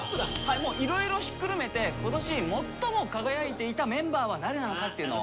もういろいろひっくるめて今年最も輝いていたメンバーは誰なのかっていうのを。